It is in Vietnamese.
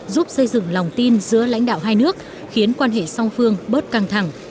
giúp xây dựng lòng tin giữa lãnh đạo hai nước khiến quan hệ song phương bớt căng thẳng